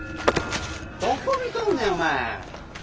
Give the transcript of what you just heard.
どこ見とんねんお前。